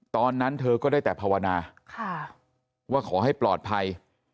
ตอนนั้นเธอก็ได้แต่ภาวนาว่าขอให้ปลอดภัย